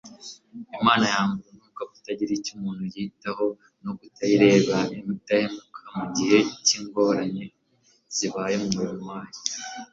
Imana yanga urunuka kutagira icyo umuntu yitaho no kutayibera indahemuka mu gihe cyingorane zibaye mu murimo wayo